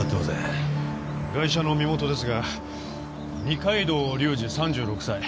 ガイシャの身元ですが二階堂隆二３６歳。